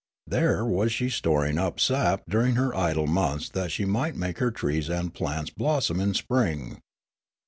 There was she storing up sap during her idle months that she might make her trees and plants blos som in spring.